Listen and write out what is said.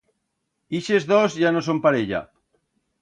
Ixes dos ya no son parella.